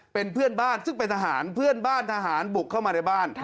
เป็นเพื่อนบ้านซึ่งเป็นทหารเพื่อนบ้านทหารบุกเข้ามาในบ้าน